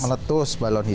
meletus balon hidup